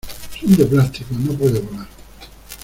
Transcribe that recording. Son de plástico. No puede volar .